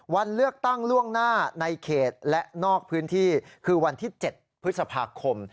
วันเลือกตั้งล่วงหน้าในเขตและนอกพื้นที่คือวันที่๗พฤษภาคม